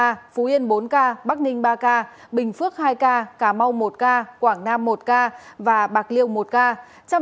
ca phú yên bốn ca bắc ninh ba ca bình phước hai ca cà mau một ca quảng nam một ca và bạc liêu một ca